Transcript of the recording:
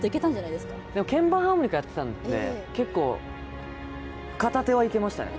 でも鍵盤ハーモニカやってたので結構、片手はいけましたね。